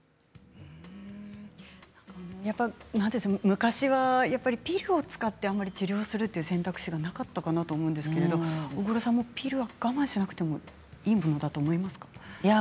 昔はやっぱりピルを使って治療するという選択肢がなかったかなと思うんですけど大黒さんもピルは我慢しなくていいものだと思いますか？